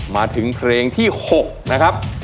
มาถึงเพลงที่๖นะครับ